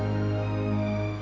aku mau balik